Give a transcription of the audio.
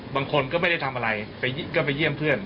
บางคนก็ไม่ได้ทำอะไรก็ไปเยี่ยมเพื่อน